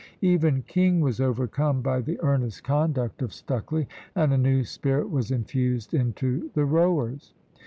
Even King was overcome by the earnest conduct of Stucley, and a new spirit was infused into the rowers.